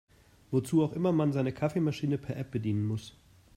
Wozu auch immer man seine Kaffeemaschine per App bedienen muss.